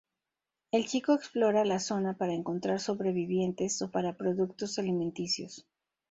El chico explora la zona para encontrar sobrevivientes o para productos alimenticios.